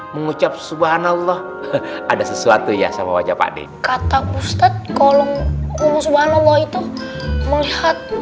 mengucap subhanallah ada sesuatu ya sama wajah pakde kata ustadz kolom umur banobo itu melihat